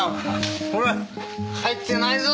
ほら入ってないぞ！